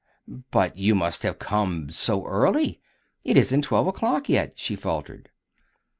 "But you must have come so early! It isn't twelve o'clock yet," she faltered.